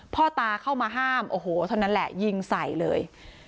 พ่อตาเข้ามาห้ามโอ้โหเท่านั้นแหละยิงใส่เลย